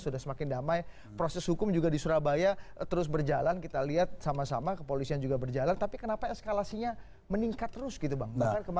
sudah semakin damai proses hukum juga di surabaya terus berjalan kita lihat sama sama kepolisian juga berjalan tapi kenapa eskalasinya meningkat terus gitu bang